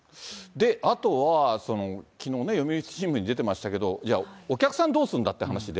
あとは、きのう、読売新聞に出てましたけれども、お客さんどうするんだっていう話で。